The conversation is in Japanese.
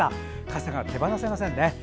傘が手放せませんね。